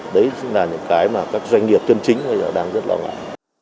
đấy cũng là những cái mà các doanh nghiệp chân chính bây giờ đang rất lo ngại